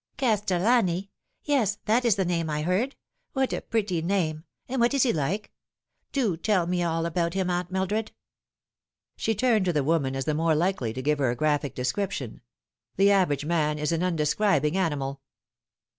" Castellani ! Yes, that is the name I heard. What a pretty name 1 And what is he like ? Do tell me all about him, Aunt Mildred." She turned to the woman as the more likely to give her a graphic description. The average man is an undescribing animal.